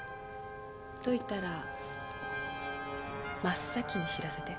解いたら真っ先に知らせて。